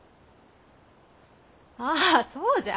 ああそうじゃ！